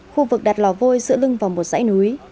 khu vực đặt lò vôi giữa lưng vào một dãy núi